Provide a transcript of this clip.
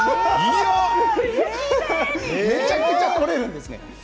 めちゃくちゃ取れるんです。